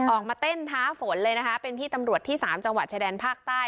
ออกมาเต้นท้าฝนเลยนะคะเป็นพี่ตำรวจที่สามจังหวัดชายแดนภาคใต้